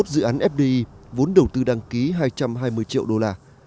ba mươi một dự án fdi vốn đầu tư đăng ký hai trăm hai mươi triệu đô la